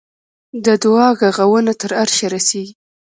د دعا ږغونه تر عرشه رسېږي.